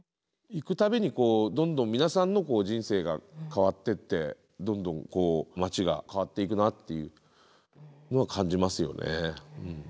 行く度にこうどんどん皆さんの人生が変わってってどんどんこう町が変わっていくなっていうのは感じますよね。